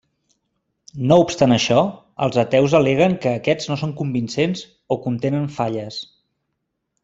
No obstant això, els ateus al·leguen que aquests no són convincents o contenen falles.